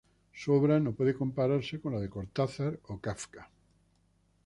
Su obra se puede comparar con la de Cortázar o Kafka.